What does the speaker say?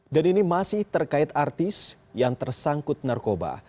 dan ini masih terkait artis yang tersangkut narkoba